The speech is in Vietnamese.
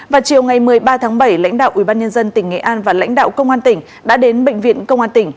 vào chiều ngày một mươi ba tháng bảy lãnh đạo ubnd tỉnh nghệ an và lãnh đạo công an tỉnh đã đến bệnh viện công an tỉnh